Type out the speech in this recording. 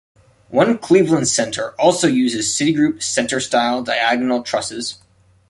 One Cleveland Center also uses Citigroup Center-style diagonal trusses.